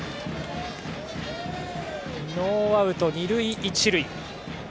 ノーアウト、二塁一塁。